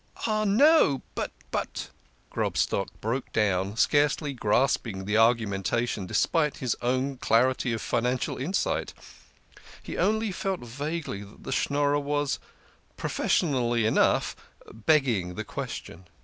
"No, but but " Grobstock broke down, scarcely grasping the argumentation despite his own clarity of finan cial insight ; he only felt vaguely that the Schnorrer was professionally enough begging the question.